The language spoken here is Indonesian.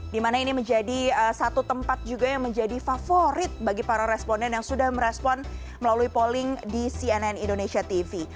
dimana ini menjadi satu tempat juga yang menjadi favorit bagi para responden yang sudah merespon melalui polling di cnn indonesia tv